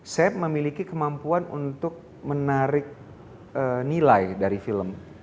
saya memiliki kemampuan untuk menarik nilai dari film